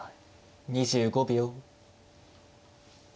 ２５秒。